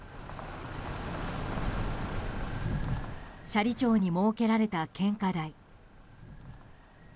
斜里町に設けられた献花台。